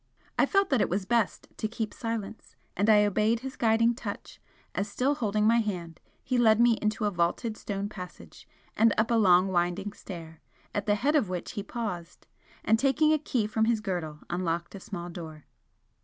I felt that it was best to keep silence, and I obeyed his guiding touch as, still holding my hand, he led me into a vaulted stone passage and up a long winding stair at the head of which he paused, and taking a key from his girdle, unlocked a small door.